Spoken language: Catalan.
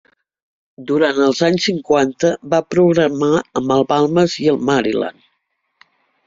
Durant els anys cinquanta va programar amb el Balmes i el Maryland.